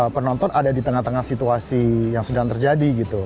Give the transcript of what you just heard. penonton ada di tengah tengah situasi yang sedang terjadi gitu